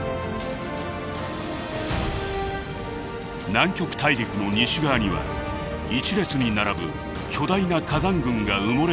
南極大陸の西側には１列に並ぶ巨大な火山群が埋もれていました。